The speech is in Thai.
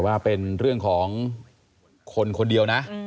ว่าเป็นเรื่องของคนคนเดียวนะ